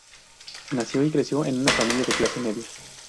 Nació y creció en una familia de clase media.